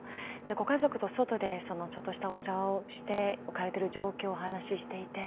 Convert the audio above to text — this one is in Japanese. ご家族と外でちょっとしたお茶をして置かれてる状況をお話ししていて。